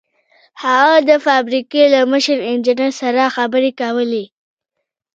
هغه د فابريکې له مشر انجنير سره خبرې کولې.